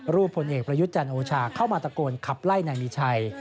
พลเอกประยุทธ์จันทร์โอชาเข้ามาตะโกนขับไล่นายมีชัย